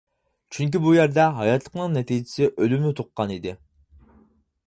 چۈنكى بۇ يەردە ھاياتلىقنىڭ نەتىجىسى ئۆلۈمنى تۇغقان ئىدى.